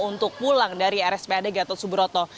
untuk pulang dari rspad gatot subroto